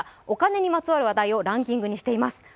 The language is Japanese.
お金にまつわる話題をランキングにしています。